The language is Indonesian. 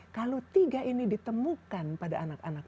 kalau tiga ini ditemukan pada anak anak